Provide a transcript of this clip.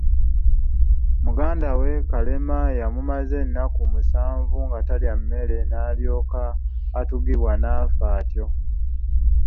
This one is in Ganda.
Muganda we Kalema yamumaza ennaku musanvu nga talya mmere n'alyoka atugibwa n'afa atyo.